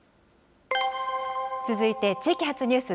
続いて地域発ニュース。